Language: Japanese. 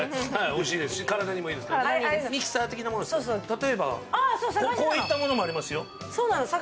例えば、こういったものもありますよ。